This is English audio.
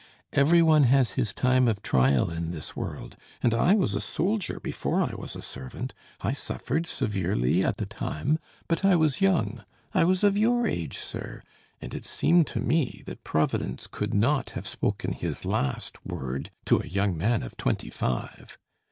Every one has his time of trial in this world, and I was a soldier before I was a servant. I suffered severely at the time, but I was young; I was of your age, sir, and it seemed to me that Providence could not have spoken His last word to a young man of twenty five.